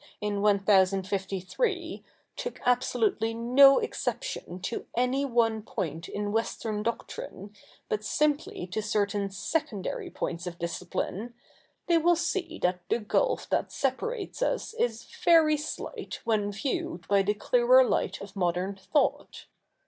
in 1053, took absolutely no exception to any one point in Western doctrine, but simply to certain secondary points of discipline, they will see that the gulf that separates us is very slight when viewed by the clearer light of modern thought.